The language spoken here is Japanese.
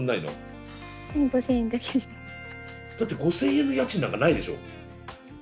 だって５，０００円の家賃なんかないでしょ？